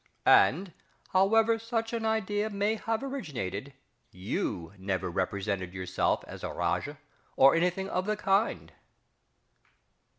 And, however such an idea may have originated, you never represented yourself as a Rajah, or anything of the kind?...